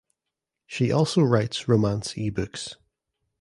She also writes romance ebooks.